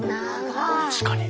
確かに。